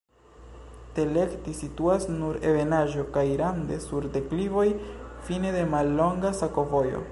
Teleki situas sur ebenaĵo kaj rande sur deklivoj, fine de mallonga sakovojo.